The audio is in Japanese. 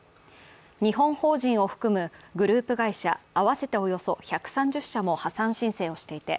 日本法人を含むグループ会社合わせておよそ１３０社も破産申請をしていて